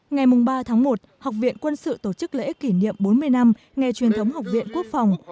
ngày ba tháng một học viện quân sự tổ chức lễ kỷ niệm bốn mươi năm ngày truyền thống học viện quốc phòng